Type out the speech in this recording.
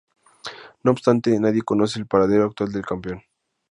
No obstante, nadie conoce el paradero actual del campeón.